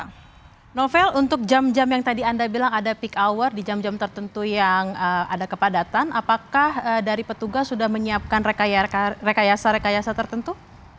nah novel untuk jam jam yang tadi anda bilang ada peak hour di jam jam tertentu yang ada kepadatan apakah dari petugas sudah menyiapkan rekayasa rekayasa tertentu